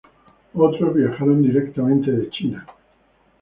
Otros viajaron directamente de China.